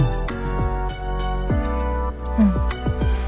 うん。